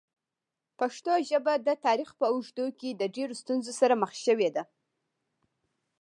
پښتو ژبه د تاریخ په اوږدو کې ډېرو ستونزو سره مخ شوې ده.